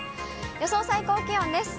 予想最高気温です。